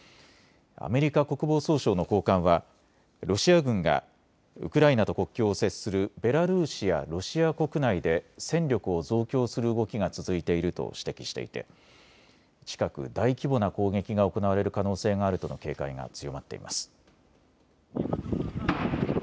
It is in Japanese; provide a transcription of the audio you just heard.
アメリカ国防総省の高官はロシア軍がウクライナと国境を接するベラルーシやロシア国内で戦力を増強する動きが続いていると指摘していて近く大規模な攻撃が行われる可能性があるとの警戒が強まっています。